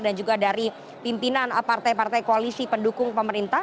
juga dari pimpinan partai partai koalisi pendukung pemerintah